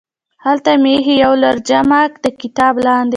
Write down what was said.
هلته مې ایښې یوه لجرمه د کتاب لاندې